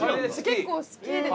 結構好きで。